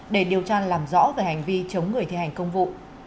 để điều tra làm rõ về hành vi chống người thi hành công vụ